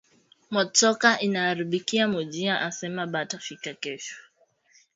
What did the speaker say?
Motoka inabaaribikia mu njia asema bata fika kesho